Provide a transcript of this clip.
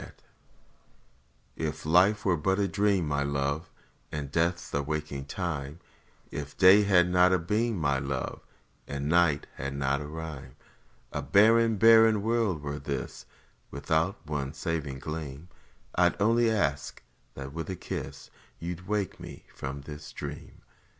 IF If life were but a dream, my Love, And death the waking time; If day had not a beam, my Love, And night had not a rhyme, A barren, barren world were this Without one saving gleam; I 'd only ask that with a kiss You 'd wake me from the dream.